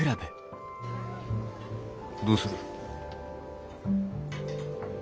どうする？